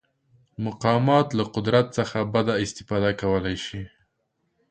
مقامات له قدرت څخه بده استفاده کولی شي.